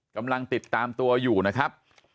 กำลังติดตามตัวอยู่นะครับ